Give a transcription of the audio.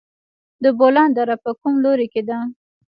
د بولان دره په کوم لوري کې ده؟